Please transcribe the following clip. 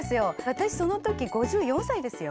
私その時５４歳ですよ。